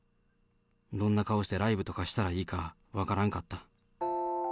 どんな顔してライブとかしたらいいか分からんかった。